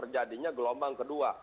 jadinya gelombang kedua